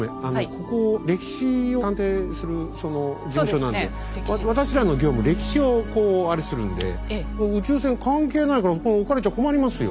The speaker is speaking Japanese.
ここ歴史を探偵する事務所なんで私らの業務歴史をこうあれするんで宇宙船関係ないから置かれちゃ困りますよ。